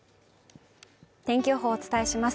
天気予報お伝えします